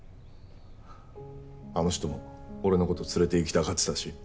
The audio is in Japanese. あの人も俺の事連れていきたがってたし。